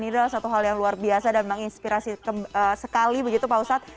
ini adalah satu hal yang luar biasa dan menginspirasi sekali begitu pak ustadz